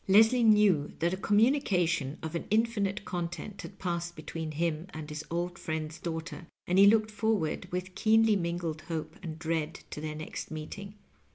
Leslie knew that a commnnication of an ipfinite content had passed between him and his old friend's daughter, and he looked forward with keenly mingled hope and dread to their next meeting.